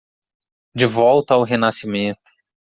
De volta ao renascimento